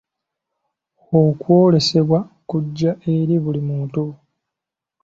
Okwolesebwa kujja eri buli muntu.